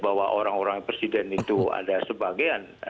bahwa orang orang presiden itu ada sebagian